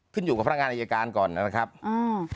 ขึ้นอยู่กับพนักงานอายการก่อนนะครับอ่า